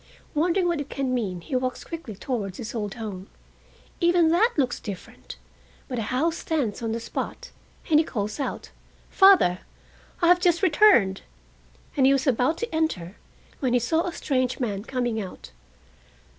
Wondering what it can mean he walks quickly towards his old home. Even that looks different, but a house stands on the spot, and he calls out: "Father, I have just returned!" and he was about to enter, when he saw a strange man coming out.